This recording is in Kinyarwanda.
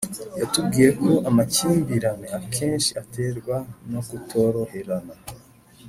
yatubwiye ko amakimbirane akenshi aterwa no kutoroherana